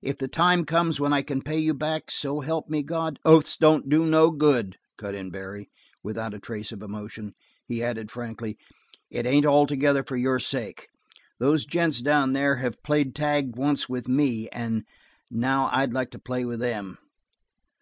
"If the time comes when I can pay you back, so help me God " "Oaths don't do no good," cut in Barry without a trace of emotion. He added frankly: "It ain't altogether for your sake. Those gents down there have played tag once with me and now I'd like to play with them.